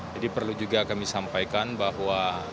jadi perlu juga kami sampaikan bahwa